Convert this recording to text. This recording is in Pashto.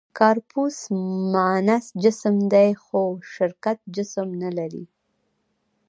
«کارپوس» معنس جسم دی؛ خو شرکت جسم نهلري.